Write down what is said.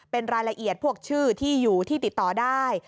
เป็นรายละเอียดพวกชื่อที่อยู่ที่ติดต่อได้